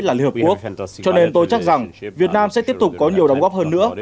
là liên hợp quốc cho nên tôi chắc rằng việt nam sẽ tiếp tục có nhiều đóng góp hơn nữa